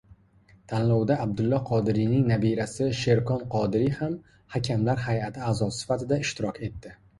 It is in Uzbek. Tanlovda Abdulla Qodiriyning nabirasi Sherkon Qodiriy ham hakamlar hayʼati aʼzosi sifatida ishtirok etdi.